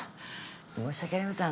申し訳ありません。